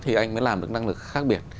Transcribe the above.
thì anh mới làm được năng lực khác biệt